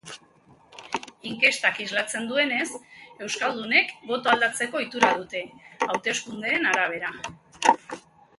Inkestak islatzen duenez, euskaldunek botoa aldatzeko ohitura dute, hauteskundeen arabera.